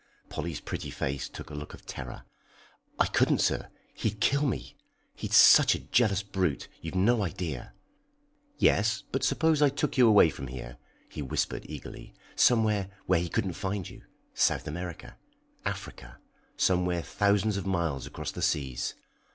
Polly's pretty face took a look of terror. "I couldn't, sir! He'd kill me! He's such a jealous brute, you've no idea." "Yes, but suppose I took you away from here?" he whispered eagerly. "Somewhere where he couldn't find you South America, Africa, somewhere thousands of miles across the seas."